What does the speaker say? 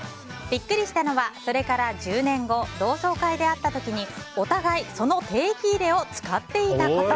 ビックリしたのはそれから１０年後同窓会で会った時にお互いその定期入れを使っていたこと。